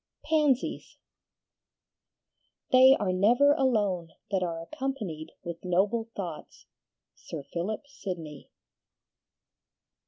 PANSIES They are never alone that are accompanied with noble thoughts. SIR PHILIP SIDNEY.